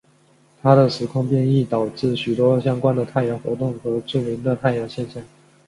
他的时空变异导致许多相关的太阳活动和著名的太阳现象。